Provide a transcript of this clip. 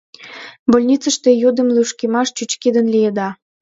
Больницыште йӱдым лӱшкымаш чӱчкыдын лиеда.